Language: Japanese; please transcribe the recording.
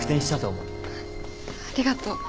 ありがとう。